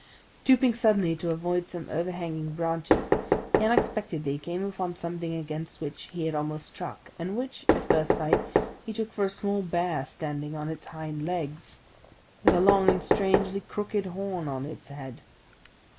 Stooping suddenly to avoid some overhanging branches, he unexpectedly came upon something against which he had almost struck, and which, at first sight, he took for a small bear standing on its hind legs, with a long and strangely crooked horn on its head.